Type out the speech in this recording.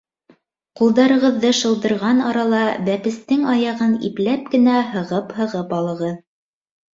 Ҡулдарығыҙҙы шылдырған арала бәпестең аяғын ипләп кенә һығып-һығып алығыҙ.